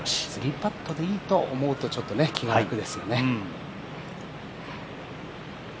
３パットでいいと思うと、ちょっと気が楽ですよね。